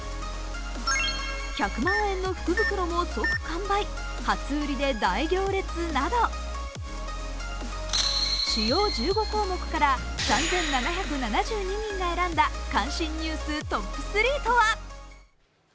１００万円の福袋も即完売、初売りで大行列など、主要１５項目から３７７２人が選んだ関心ニューストップ３とは？